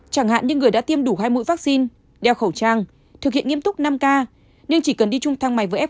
chẳng hạn những người đã tiêm đủ hai mũi vaccine đeo khẩu trang thực hiện nghiêm túc năm k nhưng chỉ cần đi chung thang máy với f